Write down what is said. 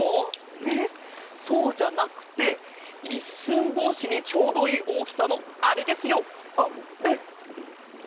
ねっそうじゃなくて一寸法師にちょうどいいおおきさのあれですよあれ！